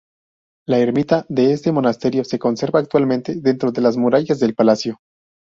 La ermita de este monasterio se conserva actualmente dentro de las murallas del Palacio.